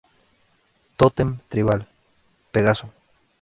Tótem Tribal: Pegaso